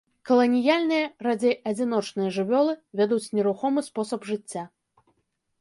Каланіяльныя, радзей адзіночныя жывёлы, вядуць нерухомы спосаб жыцця.